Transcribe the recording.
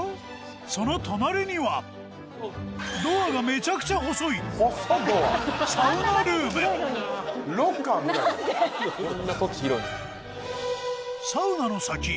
その隣にはドアがめちゃくちゃ細いサウナルームあんなガレージ広いのに。